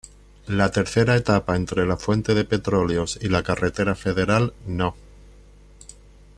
La tercera etapa entre la Fuente de Petróleos y la Carretera Federal No.